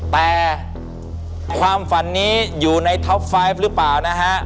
แต่ความฝันนี้อยู่ในท็อปไฟล์ฟหรือเปล่านะฮะ